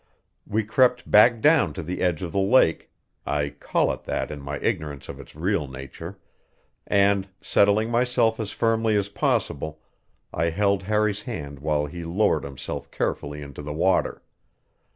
We crept back down to the edge of the lake (I call it that in my ignorance of its real nature), and, settling myself as firmly as possible, I held Harry's hand while he lowered himself carefully into the water.